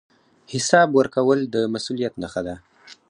حساب ورکول د مسوولیت نښه ده